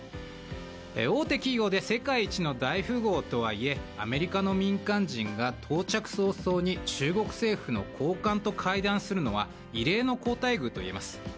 大手企業で世界一の大富豪とはいえアメリカの民間人が到着早々に中国政府の高官と会談するのは異例の好待遇といえます。